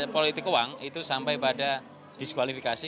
politik uang itu sampai pada diskualifikasi